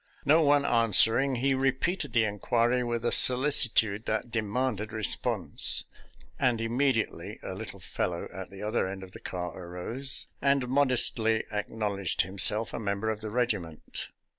No one an swering, he repeated the inquiry with a solici tude that demanded response, and immediately a little fellow at the other end of the car arose, and modestly acknowledged himself a member of the regiment.